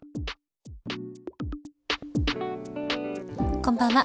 こんばんは。